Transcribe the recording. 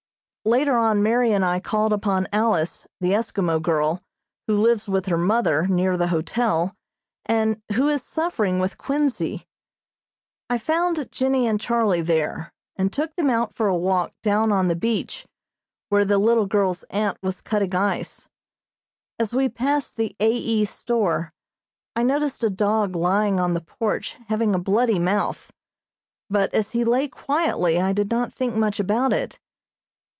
Later on Mary and I called upon Alice, the Eskimo girl, who lives with her mother, near the hotel, and who is suffering with quinsy. I found Jennie and Charlie there, and took them out for a walk down on the beach, where the little girl's aunt was cutting ice. As we passed the A. E. Store I noticed a dog lying on the porch having a bloody mouth, but as he lay quietly I did not think much about it.